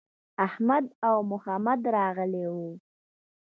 احمد او محمد راغلي وو.